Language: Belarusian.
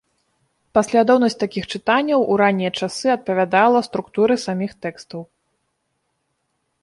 Паслядоўнасць такіх чытанняў у раннія часы адпавядала структуры саміх тэкстаў.